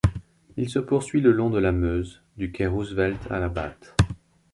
Il se poursuit le long de la Meuse, du quai Roosevelt à la Batte.